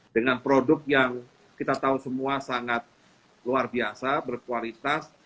dengan produk yang kita tahu semua sangat luar biasa berkualitas